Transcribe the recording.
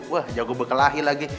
wah jago berkelahi lagi